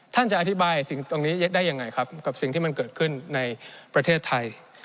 ท่านจะอธิบายสิ่งตรงนี้ได้ยังไงครับกับสิ่งที่มันเกิดขึ้นในประเทศไทย